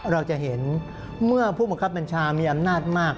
เราจะเห็นเมื่อผู้บังคับบัญชามีอำนาจมาก